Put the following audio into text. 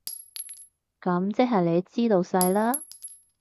噉即係你知道晒喇？